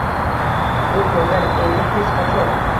bu ko’zlar endi hech qachon